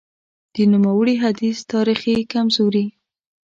د نوموړي حدیث تاریخي کمزوري :